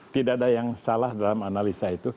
tidak ada yang salah dalam analisa itu